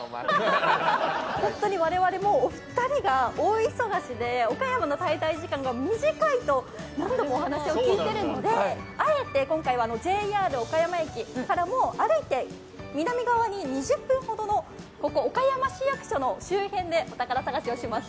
本当に我々もお二人が大忙しで岡山の滞在時間が短いと何度もお話を聞いているのであえて今回はＪＲ岡山駅から歩いて南側に２０分ほどのここ岡山市役所の周辺でお宝探しをします。